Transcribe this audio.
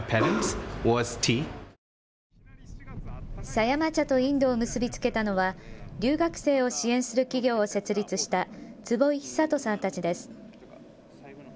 狭山茶とインドを結び付けたのは留学生を支援する企業を設立した坪井久人さんたちです。